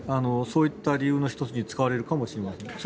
そういった理由の１つに使われるかもしれません。